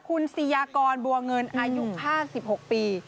คุณซียากรบัวเงินอายุ๕๖ปี